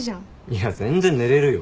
いや全然寝れるよ。